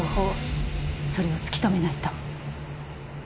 それを突き止めないと。